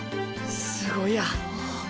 すごいや。